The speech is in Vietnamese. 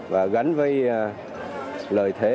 và gắn với lợi thế